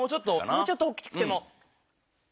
もうちょっと大きくても。